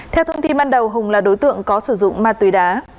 theo thông tin ban đầu hùng là đối tượng có sử dụng ma túy đá